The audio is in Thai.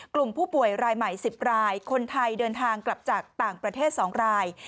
กลุ่มผู้ป่วยรายใหม่๑๐รายคนไทยเดินทางกลับจากต่างประเทศ๒ราย